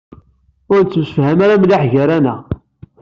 Ur nettemsefham mliḥ gar-aneɣ.